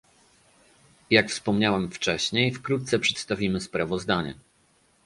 Jak wspomniałem wcześniej, wkrótce przedstawimy sprawozdanie